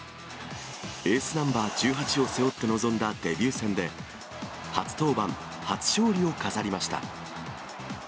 エースナンバー１８を背負って臨んだデビュー戦で、初登板初勝利を飾りました。